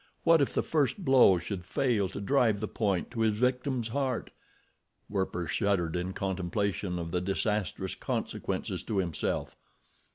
What if the first blow should fail to drive the point to his victim's heart? Werper shuddered in contemplation of the disastrous consequences to himself.